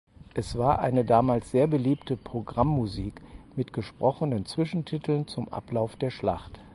Es war eine damals sehr beliebte Programmmusik mit gesprochenen Zwischentiteln zum Ablauf der Schlacht.